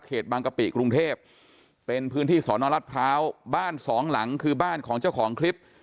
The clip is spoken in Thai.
บางกะปิกรุงเทพเป็นพื้นที่สอนอรัฐพร้าวบ้านสองหลังคือบ้านของเจ้าของคลิป